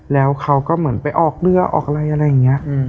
แล้วเขาก็เหมือนไปออกเรือออกอะไรอะไรอย่างนี้